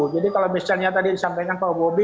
jadi kalau misalnya tadi disampaikan pak wobi